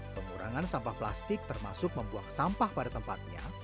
pengurangan sampah plastik termasuk membuang sampah pada tempatnya